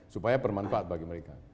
supaya bermanfaat bagi mereka